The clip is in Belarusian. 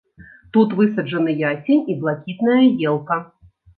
Тут высаджаны ясень і блакітная елка.